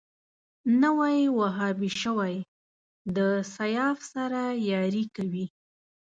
نوی وهابي شوی د سیاف سره ياري کوي